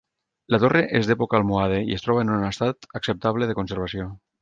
La torre és d'època almohade i es troba en un estat acceptable de conservació.